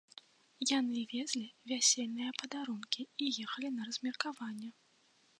Яны везлі вясельныя падарункі і ехалі на размеркаванне.